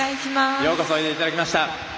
ようこそおいでいただきました。